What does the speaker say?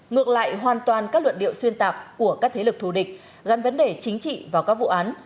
ngược lại hoàn toàn các luận điệu xuyên tạp của các thế lực thù địch gắn vấn đề chính trị vào các vụ án